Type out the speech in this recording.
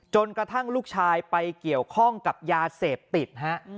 กระทั่งลูกชายไปเกี่ยวข้องกับยาเสพติดฮะ